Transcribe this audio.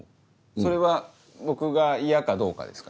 それは僕が嫌かどうかですか？